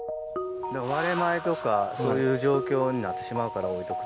割れ米とか、そういう状況になってしまうから、置いとくと。